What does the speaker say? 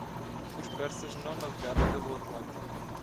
Os persas não navegaram pelo Atlântico